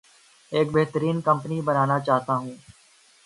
ایک بہترین کمپنی بنانا چاہتا ہوں